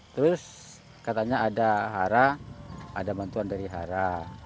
terus katanya ada hara ada bantuan dari hara